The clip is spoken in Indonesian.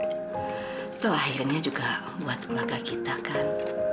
itu akhirnya juga buat baga kita kan